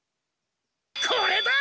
これだ！